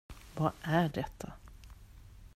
Vad är detta?